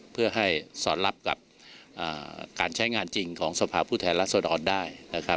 เพื่อให้สอดรับกับการใช้งานจริงของสภาพผู้แทนรัศดรได้นะครับ